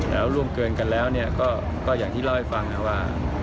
แล้วล่วงเกินกันแล้วก็อย่างที่เล่าให้ฟังนะว่า